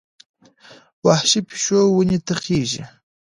وحشي پیشو ونې ته خېژي.